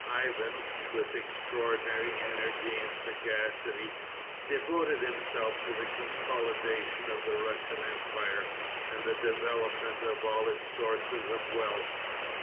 Ivan, with extraordinary energy and sagacity, devoted himself to the consolidation of the Russian empire, and the development of all its sources of wealth.